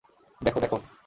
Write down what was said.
দেখ, দেখ!